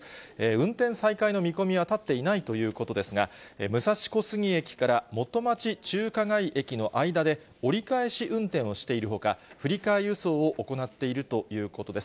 運転再開の見込みは立っていないということですが、武蔵小杉駅から元町・中華街駅の間で折り返し運転をしているほか、振り替え輸送を行っているということです。